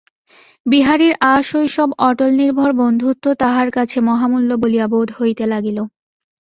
বিহারীর আশৈশব অটলনির্ভর বন্ধুত্ব তাহার কাছে মহামূল্য বলিয়া বোধ হইতে লাগিল।